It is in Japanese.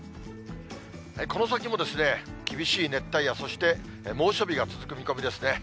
この先も、厳しい熱帯夜、そして猛暑日が続く見込みですね。